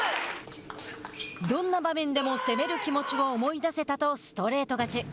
どんな場面でも攻める気持ちを思い出せたとストレート勝ち。